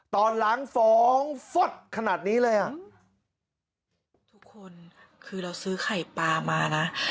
ตอนล้างฟ้องฟอดขนาดนี้เลยอ่ะทุกคนคือเราซื้อไข่ปลามานะ